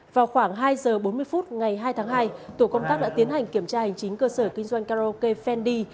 vào khoảng hai giờ bốn mươi phút ngày hai tháng hai tổ công tác đã tiến hành kiểm tra hành chính cơ sở kinh doanh karaoke fandy